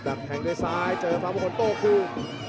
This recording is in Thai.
ดัดแข่งด้วยซ้ายเจอฟ้ามงคลโต้คู่